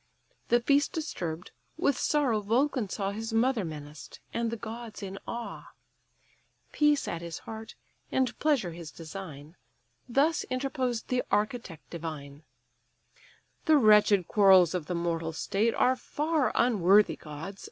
The feast disturb'd, with sorrow Vulcan saw His mother menaced, and the gods in awe; Peace at his heart, and pleasure his design, Thus interposed the architect divine: "The wretched quarrels of the mortal state Are far unworthy, gods!